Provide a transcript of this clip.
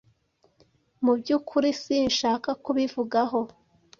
Mu byukuri sinshaka kubivugaho.